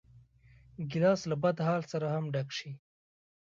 ګیلاس له بدحال سره هم ډک شي.